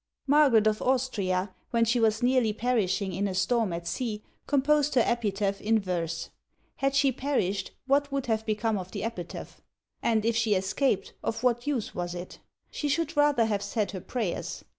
Margaret of Austria, when she was nearly perishing in a storm at sea, composed her epitaph in verse. Had she perished, what would have become of the epitaph? And if she escaped, of what use was it? She should rather have said her prayers.